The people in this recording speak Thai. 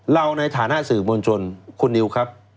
เราในฐานะสื่อมวลชนคุณนิวครับ